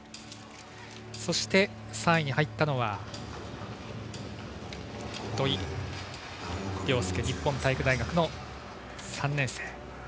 そして、３位に入ったのは土井陵輔、日本体育大学の３年生。